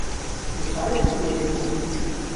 তিনি সারেতে ফিরে এসেছিলেন।